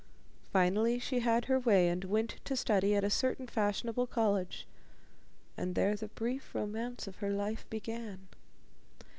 Finally she had her way, and went to study at a certain fashionable college; and there the brief romance of her life began.